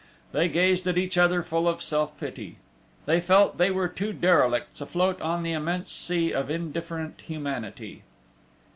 They gazed at each other full of self pity. They felt they were two derelicts afloat on the immense sea of indifferent humanity.